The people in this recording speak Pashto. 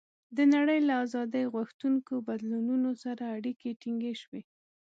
د نړۍ له آزادۍ غوښتونکو بدلونونو سره اړیکې ټینګې شوې.